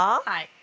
はい。